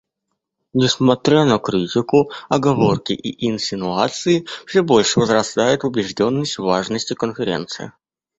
Несмотря на критику, оговорки и инсинуации, все больше возрастает убежденность в важности Конференции.